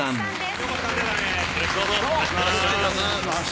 よろしくお願いします。